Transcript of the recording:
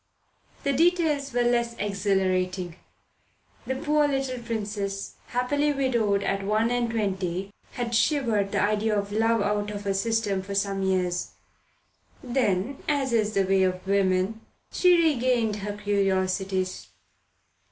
The details are less exhilarating. The poor little Princess, happily widowed at one and twenty, had shivered the idea of love out of her system for some years. Then, as is the way of woman, she regained her curiosities.